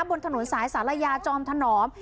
บนถนนสายศาลายาจอมถนอม